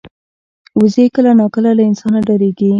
وزې کله ناکله له انسانه ډاریږي